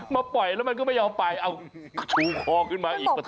มาปล่อยแล้วมันก็ไม่ยอมไปเอาชูคอขึ้นมาอีก